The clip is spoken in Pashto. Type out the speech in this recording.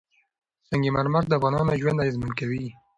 سنگ مرمر د افغانانو ژوند اغېزمن کوي.